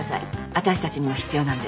私たちにも必要なので。